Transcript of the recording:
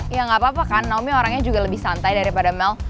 ya nggak apa apa kan naomi orangnya juga lebih santai daripada mel